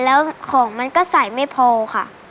แล้วของมันก็ใส่ไม่พอค่ะ